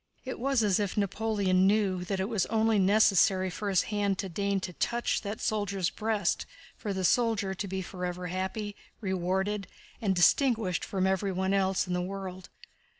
It was as if Napoleon knew that it was only necessary for his hand to deign to touch that soldier's breast for the soldier to be forever happy, rewarded, and distinguished from everyone else in the world.